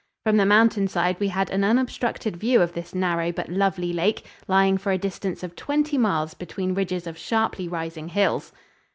From the mountainside we had an unobstructed view of this narrow but lovely lake, lying for a distance of twenty miles between ridges of sharply rising hills.